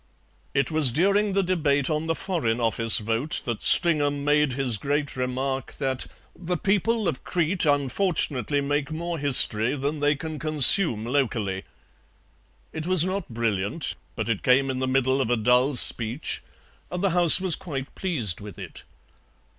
It was during the debate on the Foreign Office vote that Stringham made his great remark that "the people of Crete unfortunately make more history than they can consume locally." It was not brilliant, but it came in the middle of a dull speech, and the House was quite pleased with it.